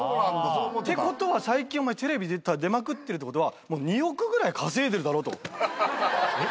「ってことは最近お前テレビ出まくってるってことは２億ぐらい稼いでるだろ」と。えっ？